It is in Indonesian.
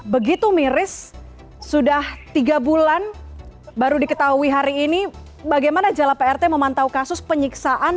begitu miris sudah tiga bulan baru diketahui hari ini bagaimana jala prt memantau kasus penyiksaan